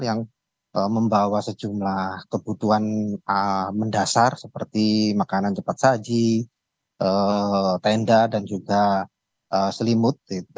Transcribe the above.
yang membawa sejumlah kebutuhan mendasar seperti makanan cepat saji tenda dan juga selimut